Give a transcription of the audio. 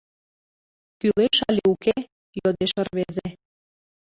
— Кӱлеш але уке? — йодеш рвезе.